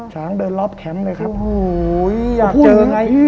ช้างเดินรอบแคมป์เลยครับโหยอยากเจอไงอื้อ